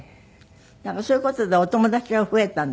そういう事でお友達が増えたんですって？